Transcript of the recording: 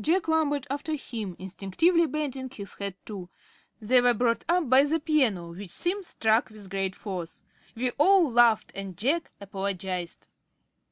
Jack lumbered after him, instinctively bending his head, too. They were brought up by the piano, which Simms struck with great force. We all laughed, and Jack apologised.